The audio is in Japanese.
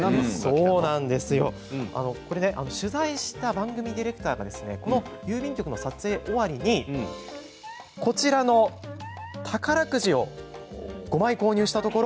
取材した番組ディレクターがこの郵便局の撮影終わりにこちらの宝くじを５枚購入したところ